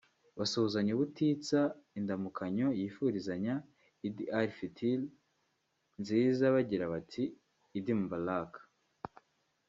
basuhuzanya ubutitsa indamukanyo yifurizanya Eid al-Fitr nziza bagira bati “Eid Mubarak”